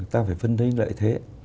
ta phải phân tích lợi thế